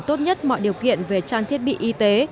tốt nhất mọi điều kiện về trang thiết bị y tế